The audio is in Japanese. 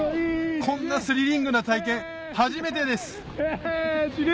こんなスリリングな体験初めてですイチニ！